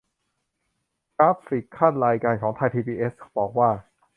กราฟิกคั่นรายการของไทยพีบีเอส บอกว่า